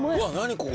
ここ？